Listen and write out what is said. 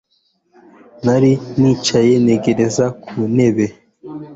Nari nicaye ntegereje ku ntebe